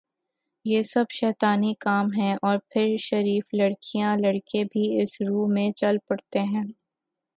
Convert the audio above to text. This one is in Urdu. یہ سب شیطانی کام ہیں اور پھر شریف لڑکیاں لڑکے بھی اس رو میں چل پڑتے ہیں